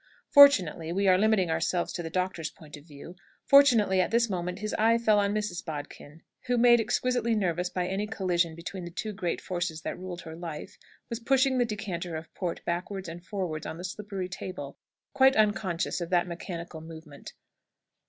Fortunately we are limiting ourselves to the doctor's point of view fortunately at this moment his eye fell on Mrs. Bodkin, who, made exquisitely nervous by any collision between the two great forces that ruled her life, was pushing the decanter of port backwards and forwards on the slippery table, quite unconscious of that mechanical movement.